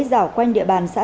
rảo quanh địa bàn xã